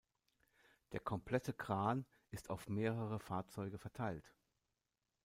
Der komplette Kran ist auf mehrere Fahrzeuge verteilt.